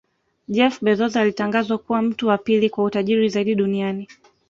Jeff Bezos alitangazwa kuwa mtu wa pili kwa utajiri zaidi duniani